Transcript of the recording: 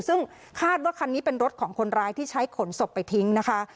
ซึ่งคาดว่าคันนี้เป็นรถของคนร้ายที่ใช้ขนศพไปทิ้งนะคะ